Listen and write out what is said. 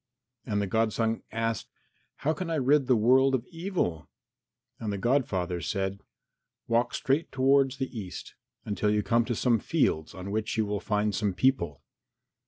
And the godson asked, "How can I rid the world of evil?" And the godfather said, "Walk straight towards the east until you come to some fields on which you will find some people.